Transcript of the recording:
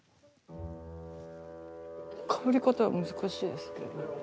かぶり方難しいですね。